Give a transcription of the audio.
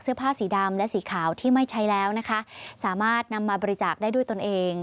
เสื้อผ้าสีดำและสีขาวที่ไม่ใช้แล้วนะคะสามารถนำมาบริจาคได้ด้วยตนเอง